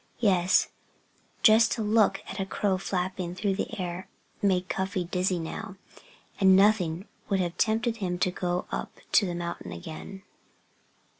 Yes just to look at a crow flapping through the air made Cuffy dizzy now; and nothing would have tempted him to go up the mountain again.